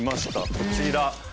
こちら。